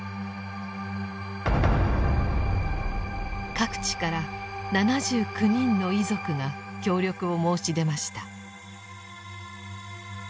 各地から７９人の遺族が協力を申し出ました。